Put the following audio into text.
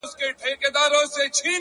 كبرجن وو ځان يې غوښـتى پــه دنـيـا كي _